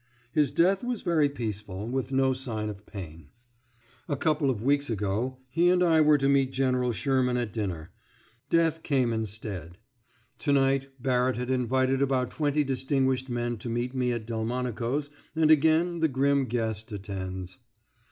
His death was very peaceful, with no sign of pain. A couple of weeks ago he and I were to meet General Sherman at dinner: death came instead. To night Barrett had invited about twenty distinguished men to meet me at Delmonico's, and again the grim guest attends....